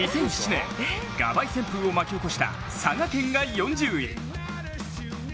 ２００７年、がばい旋風を巻き起こした佐賀県が４０位。